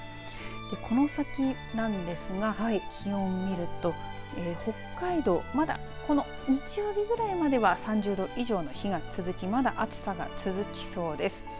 この先なんですが、気温見ると北海道は日曜日くらいまでは３０度以上の日が続きまだ暑さが続きそうです。